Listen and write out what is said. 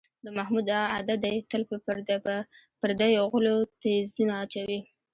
د محمود دا عادت دی، تل په پردیو غولو تیزونه اچوي.